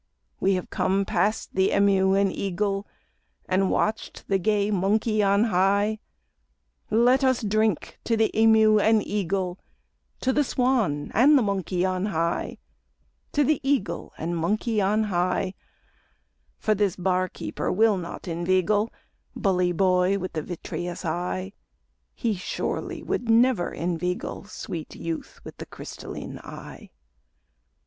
We have come past the emeu and eagle, And watched the gay monkey on high; Let us drink to the emeu and eagle, To the swan and the monkey on high, To the eagle and monkey on high; For this bar keeper will not inveigle, Bully boy with the vitreous eye, He surely would never inveigle, Sweet youth with the crystalline eye."